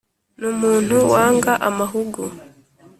ni umuntu wanga amahugu,